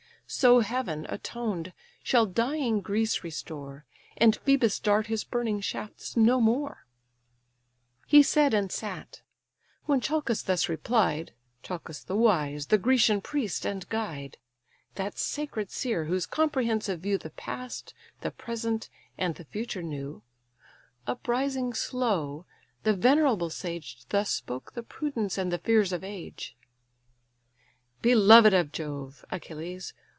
So Heaven, atoned, shall dying Greece restore, And Phœbus dart his burning shafts no more." He said, and sat: when Chalcas thus replied; Chalcas the wise, the Grecian priest and guide, That sacred seer, whose comprehensive view, The past, the present, and the future knew: Uprising slow, the venerable sage Thus spoke the prudence and the fears of age: "Beloved of Jove, Achilles!